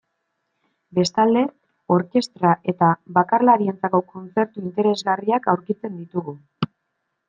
Bestalde, orkestra eta bakarlarientzako kontzertu interesgarriak aurkitzen ditugu.